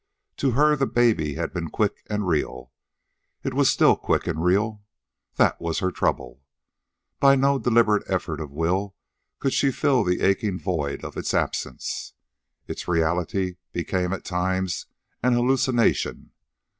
To her the baby had been quick and real. It was still quick and real. That was her trouble. By no deliberate effort of will could she fill the aching void of its absence. Its reality became, at times, an hallucination.